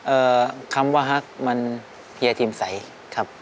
เอ่อคำว่าฮักมันเฮียทีมสัยครับ